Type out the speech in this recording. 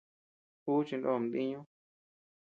Uu chinó ama diiñu.